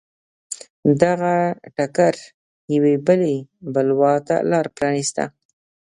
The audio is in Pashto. دغه ټکر یوې بلې بلوا ته لار پرانېسته.